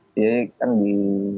diri kan di